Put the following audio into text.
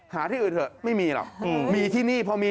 หาที่อื่นเถอะไม่มีหรอกเพราะมีที่นี่พี่ก็ซื้อดี